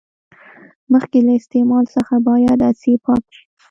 مخکې له استعمال څخه باید عدسې پاکې شي.